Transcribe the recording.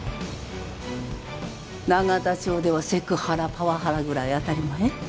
永田町ではセクハラパワハラぐらい当たり前？